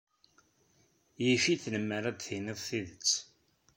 Yif-it lemmer ad d-tiniḍ tidet.